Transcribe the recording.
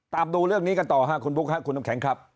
ตามดูเรื่องนี้กันต่อค่ะคุณบุ๊คคุณน้ำแข็งครับ